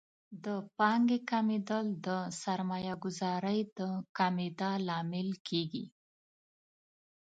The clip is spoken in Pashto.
د پانګې کمیدل د سرمایه ګذارۍ د کمیدا لامل کیږي.